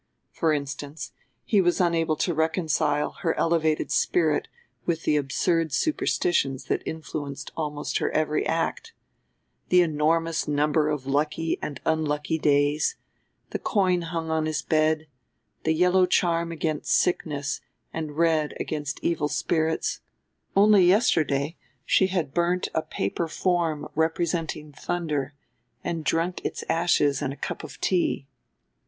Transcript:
For instance: he was unable to reconcile her elevated spirit with the "absurd superstitions" that influenced almost her every act the enormous number of lucky and unlucky days, the coin hung on his bed, the yellow charm against sickness and red against evil spirits; only yesterday she had burnt a paper form representing thunder and drunk its ashes in a cup of tea.